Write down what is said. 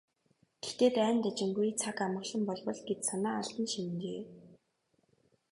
"Гэхдээ дайн дажингүй, цаг амгалан болбол" гэж санаа алдан шивнэжээ.